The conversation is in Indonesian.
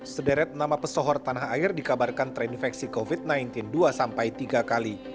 sederet nama pesohor tanah air dikabarkan terinfeksi covid sembilan belas dua sampai tiga kali